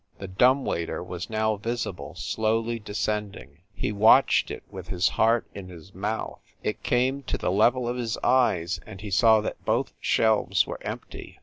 The dumb waiter was now visible, slowly descend ing. He watched it, with his heart in his mouth. It came to the level of his eyes, and he saw that both shelves were empty.